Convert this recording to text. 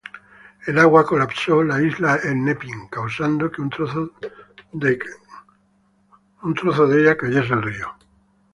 El agua colapsó la isla Hennepin, causando que un trozo de cayese al río.